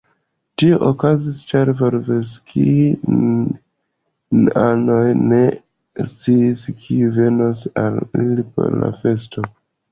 Tio okazis, ĉar volĵskij-anoj ne sciis, kiu venos al ili por la festo.